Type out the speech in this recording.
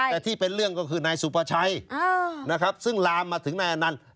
แต่ที่เป็นเรื่องก็คือนายสุภาชัยนะครับซึ่งลามมาถึงนายอนันต์